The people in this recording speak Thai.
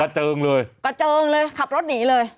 เจิงเลยกระเจิงเลยขับรถหนีเลย